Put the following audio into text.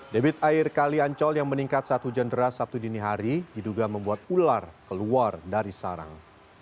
debit air kali ancol yang meningkat saat hujan deras sabtu dini hari diduga membuat ular keluar dari sarang